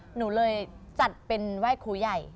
หนูเลยจัดเป็นไหว้ครูใหญ่